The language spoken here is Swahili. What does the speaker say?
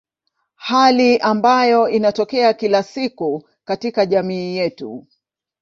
Hali ambayo inatokea kila siku katika jamii yetu.